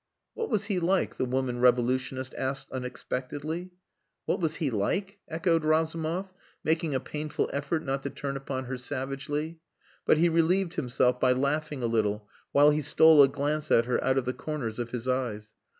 "What was he like?" the woman revolutionist asked unexpectedly. "What was he like?" echoed Razumov, making a painful effort not to turn upon her savagely. But he relieved himself by laughing a little while he stole a glance at her out of the corners of his eyes.